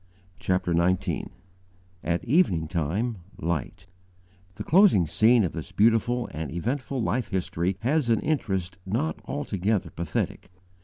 CHAPTER XIX AT EVENING TIME LIGHT THE closing scene of this beautiful and eventful life history has an interest not altogether pathetic.